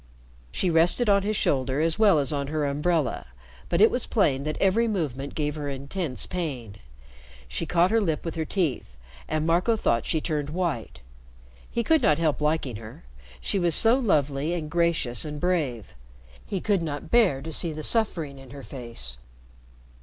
She rested on his shoulder as well as on her umbrella, but it was plain that every movement gave her intense pain. She caught her lip with her teeth, and Marco thought she turned white. He could not help liking her. She was so lovely and gracious and brave. He could not bear to see the suffering in her face.